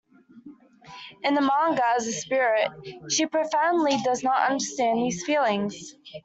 In the manga, as a spirit, she profoundly does not understand these feelings.